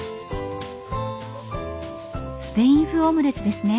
スペイン風オムレツですね。